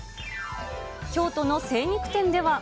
京都の精肉店では。